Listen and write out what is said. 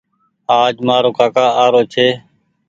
آج مآرو ڪآڪآ آرو ڇي